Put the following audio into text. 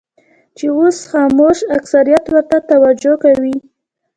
چې اوس خاموش اکثریت ورته توجه کوي.